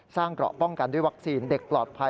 เกราะป้องกันด้วยวัคซีนเด็กปลอดภัย